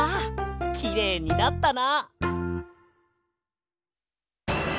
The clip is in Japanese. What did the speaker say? きれいになったな。